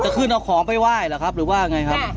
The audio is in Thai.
ขึ้นเอาของไปไหว้หรือครับหรือว่าไงครับ